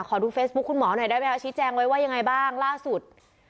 ดูเฟซบุ๊คคุณหมอหน่อยได้ไหมคะชี้แจงไว้ว่ายังไงบ้างล่าสุด